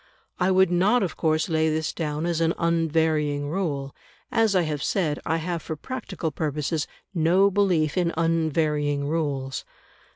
I would not of course lay this down as an unvarying rule; as I have said, I have for practical purposes no belief in unvarying rules.